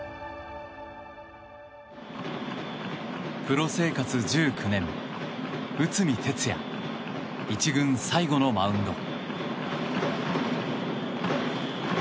プロ生活１９年内海哲也、１軍最後のマウンド。